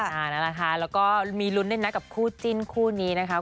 นั่นแหละค่ะแล้วก็มีลุ้นด้วยนะกับคู่จิ้นคู่นี้นะคะ